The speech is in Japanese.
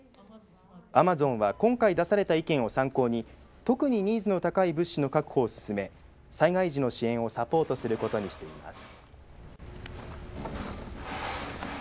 アマゾンは今回出された意見を参考に特にニーズの高い物資の確保を進め災害時の支援をサポートすることにしています。